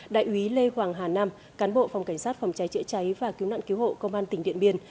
đại úy lê hoàng hà nam cán bộ phòng cảnh sát phòng cháy chữa cháy và cứu nạn cứu hộ công an tỉnh điện biên